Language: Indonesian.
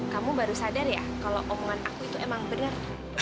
kamu baru sadar ya kalau omongan aku itu emang bener